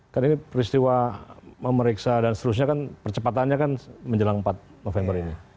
kan ini peristiwa memeriksa dan seterusnya kan percepatannya kan menjelang empat november ini